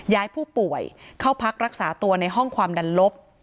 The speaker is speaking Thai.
ย้ายผู้ป่วยเข้าพักรักษาตัวในห้องความดันลบ